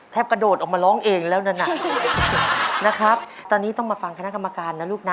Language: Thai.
กระโดดออกมาร้องเองแล้วนั่นน่ะนะครับตอนนี้ต้องมาฟังคณะกรรมการนะลูกนะ